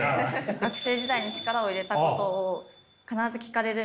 学生時代に力を入れたことを必ず聞かれるんですよ。